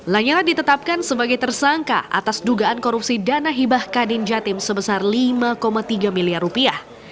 lanyala ditetapkan sebagai tersangka atas dugaan korupsi dana hibah kadin jatim sebesar lima tiga miliar rupiah